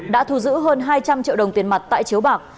đã thu giữ hơn hai trăm linh triệu đồng tiền mặt tại chiếu bạc